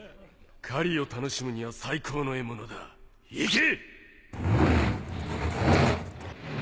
狩りを楽しむには最高の獲物だ行け！